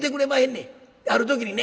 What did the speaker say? である時にね